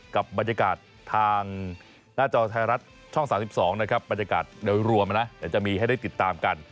กับบรรยากาศทางหน้าจอไทยรัฐช่อง๓๒บรรยากาศเรียบรวมจะมีให้ได้ติดตามกัน